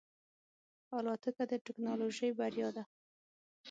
الوتکه د ټکنالوژۍ بریا ده.